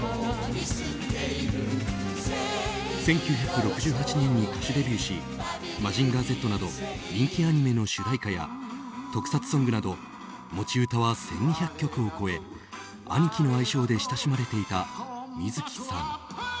１９６８年に歌手デビューし「マジンガーＺ」など人気アニメの主題歌や特撮ソングなど持ち歌は１２００曲を超えアニキの愛称で親しまれていた水木さん。